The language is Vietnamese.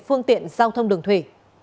phương tiện giao thông đường thủy